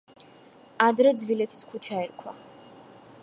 ადრე ძვილეთის ქუჩა ერქვა.